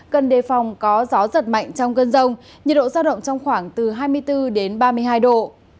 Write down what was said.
cần đề phòng có gió giật mạnh trong cơn rông nhiệt độ giao động trong khoảng từ hai mươi bốn đến ba mươi hai độ